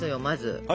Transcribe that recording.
まず。